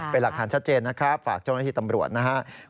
เป็นหลักฐานชัดเจนนะครับฝากเจ้าหน้าที่ตำรวจนะครับ